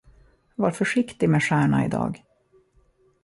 Var försiktig med Stjärna idag!